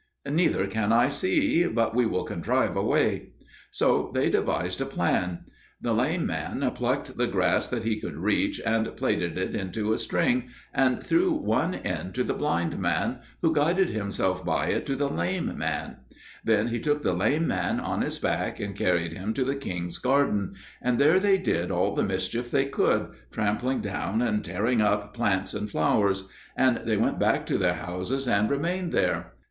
"Neither can I see; but we will contrive a way." So they devised a plan. The lame man plucked the grass that he could reach, and plaited it into a string, and threw one end to the blind man, who guided himself by it to the lame man. Then he took the lame man on his back, and carried him to the king's garden, and there they did all the mischief they could, trampling down and tearing up plants and flowers; and they went back to their houses and remained there.